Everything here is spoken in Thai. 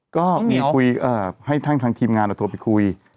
ก็มีคุยให้ทางทีมงานโทรไปคุย